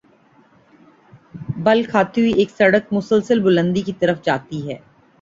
بل کھاتی ہوئی ایک سڑک مسلسل بلندی کی طرف جاتی ہے۔